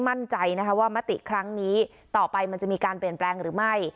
มั่นใจนะคะว่ามติครั้งนี้ต่อไปมันจะมีการเปลี่ยนแปลงหรือไม่